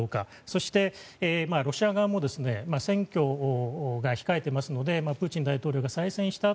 そして、ロシア側も選挙が控えてますのでプーチン大統領が再選した